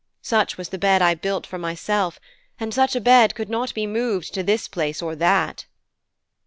Such was the bed I built for myself, and such a bed could not be moved to this place or that.'